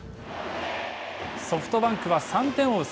ソフトバンクは３点を追う